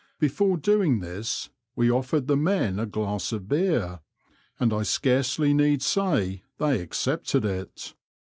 Before doing this, we offered the men a glass of beer, and I scarcely need say they accepted it.